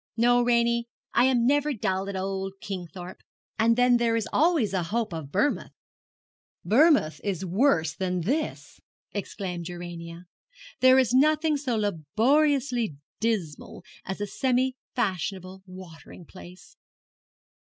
No, Ranie, I am never dull at old Kingthorpe; and then there is always a hope of Bournemouth.' 'Bournemouth is worse than this!' exclaimed Urania. 'There is nothing so laboriously dismal as a semi fashionable watering place.'